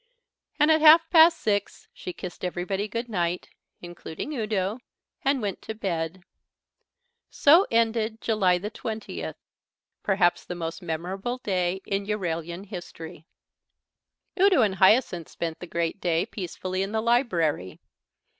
And at half past six she kissed everybody good night (including Udo) and went to bed. So ended July the Twentieth, perhaps the most memorable day in Euralian history. Udo and Hyacinth spent the great day peacefully in the library.